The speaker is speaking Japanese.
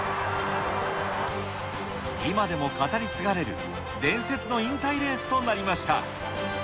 今でも語り継がれる伝説の引退レースとなりました。